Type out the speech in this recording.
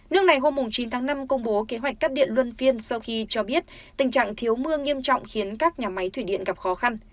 nước này hôm chín tháng năm công bố kế hoạch cắt điện luân phiên sau khi cho biết tình trạng thiếu mưa nghiêm trọng khiến các nhà máy thủy điện gặp khó khăn